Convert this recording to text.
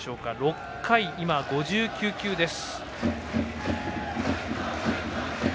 ６回、今、５９球です。